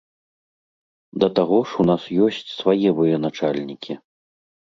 Да таго ж у нас ёсць свае военачальнікі.